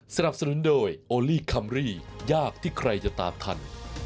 สนับสนุนโดยโอลี่คัมรี่ยากที่ใครจะตามทัน